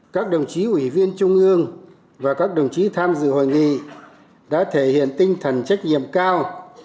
các đồng chí ủy viên trung ương và các đồng chí tham dự hội nghị đã thể hiện tinh thần trách nhiệm cao